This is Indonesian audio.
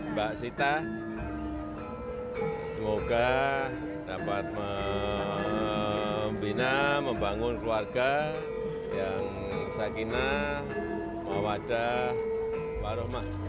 mbak sita semoga dapat membina membangun keluarga yang sakinah mawadah warohmah